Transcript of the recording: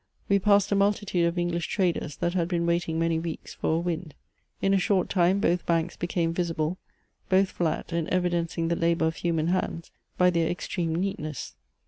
We passed a multitude of English traders that had been waiting many weeks for a wind. In a short time both banks became visible, both flat and evidencing the labour of human hands by their extreme neatness.